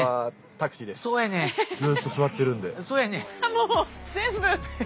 もう全部！